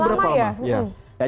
berapa lama ya